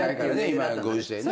今のご時世ね。